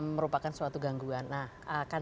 merupakan suatu gangguan